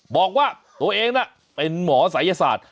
บอกว่าตัวเองน่ะเป็นหมอศัยศาสตร์